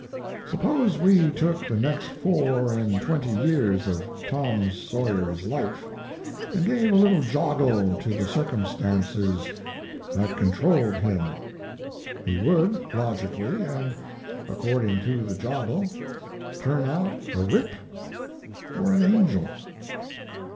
Suppose we took the next four and twenty years of Tom Sawyer's life, and gave a little joggle to the circumstances that controlled him. He would, logically and according to the joggle, turn out a rip or an angel."